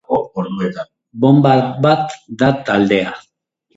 Bonba bat da taldea.